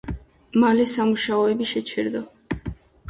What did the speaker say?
მალე სამუშაოები შეჩერდა.